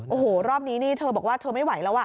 โอ้โหรอบนี้นี่เธอบอกว่าเธอไม่ไหวแล้ว